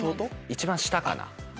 一番下かな